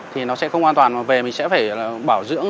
thì nó sẽ không an toàn mà về mình sẽ phải bảo dưỡng